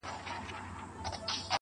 زړه دودومه زړه د حُسن و لمبو ته سپارم_